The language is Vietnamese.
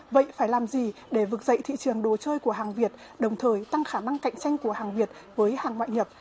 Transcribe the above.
vậy phải làm gì để vực dậy thị trường đồ chơi của hàng việt đồng thời tăng khả năng cạnh tranh của hàng việt với hàng ngoại nhập